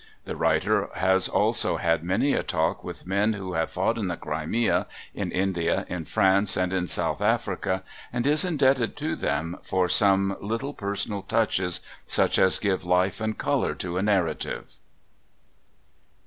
The writer has also had many a talk with men who have fought in the Crimea, in India, in France, and in South Africa, and is indebted to them for some little personal touches such as give life and colour to a narrative.